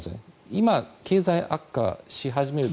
今、経済が悪化し始めるのと。